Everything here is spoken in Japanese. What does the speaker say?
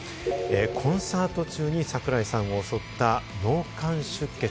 コンサート中に櫻井さんを襲った脳幹出血。